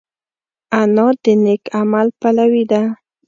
انا د نېک عمل پلوي ده